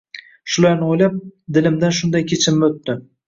Shularni o`ylab, dilimdan shunday kechinma o`tdi